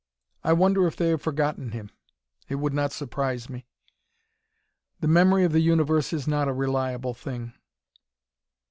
I wonder if they have forgotten him? It would not surprise me. The memory of the universe is not a reliable thing.